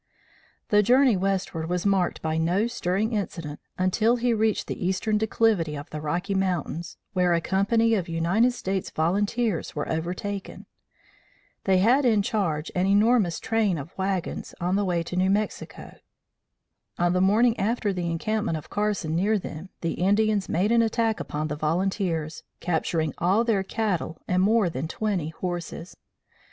The journey westward was marked by no stirring incident until he reached the eastern declivity of the Rocky Mountains, where a company of United States Volunteers were overtaken. They had in charge an enormous train of wagons on the way to New Mexico. On the morning after the encampment of Carson near them, the Indians made an attack upon the volunteers, capturing all their cattle and more than twenty horses.